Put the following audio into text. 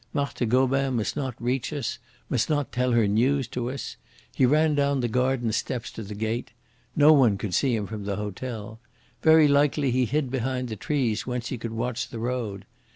Marthe Gobin must not reach us, must not tell her news to us. He ran down the garden steps to the gate. No one could see him from the hotel. Very likely he hid behind the trees, whence he could watch the road.